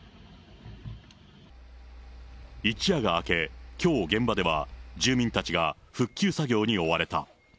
一夜が明け、きょう現場では、住民たちが復旧作業に追われた。